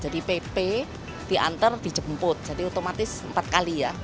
pp diantar dijemput jadi otomatis empat kali ya